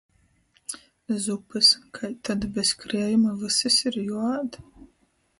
Zupys — kai tod, bez kriejuma vysys ir juoād?